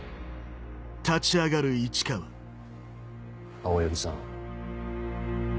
青柳さん。